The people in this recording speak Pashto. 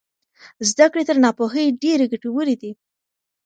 زده کړې تر ناپوهۍ ډېرې ګټورې دي.